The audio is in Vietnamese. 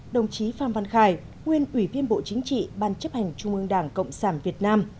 đồng chí phan văn khải nguyên ủy viên bộ chính trị ban chấp hành trung ương đảng cộng sản việt nam